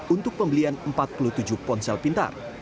untuk pembelian empat puluh tujuh ponsel pintar